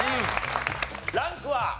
ランクは？